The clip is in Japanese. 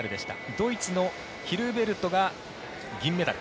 ドイツのヒルベルトが銀メダル。